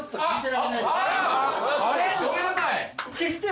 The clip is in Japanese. あれ⁉ごめんなさい。